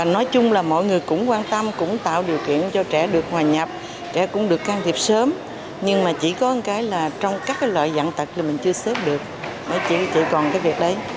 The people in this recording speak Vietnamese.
nói chung là mọi người cũng quan tâm cũng tạo điều kiện cho trẻ được hòa nhập trẻ cũng được can thiệp sớm nhưng mà chỉ có một cái là trong các loại dạng tật thì mình chưa xếp được chỉ còn cái việc đấy